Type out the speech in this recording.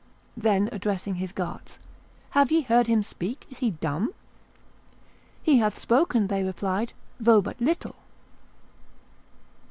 Then, addressing his guards, "Have ye heard him speak? is he dumb?" "He hath spoken," they replied, "though but little."